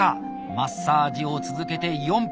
マッサージを続けて４分。